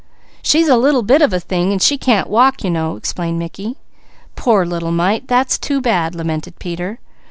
"She's a little bit of a thing and she can't walk, you know," explained Mickey. "Poor little mite! That's too bad," lamented Peter.